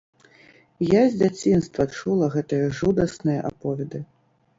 Я з дзяцінства чула гэтыя жудасныя аповеды.